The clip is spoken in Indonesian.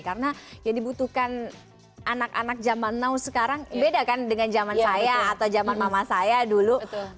karena yang dibutuhkan anak anak zaman now sekarang beda kan dengan zaman saya atau zaman mama saya dulu